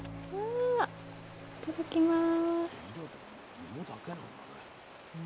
いただきます。